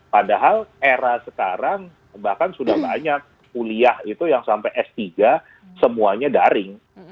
padahal era sekarang bahkan sudah banyak kuliah itu yang sampai s tiga semuanya daring